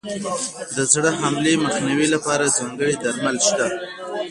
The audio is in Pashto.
د زړه حملې مخنیوي لپاره ځانګړي درمل شته.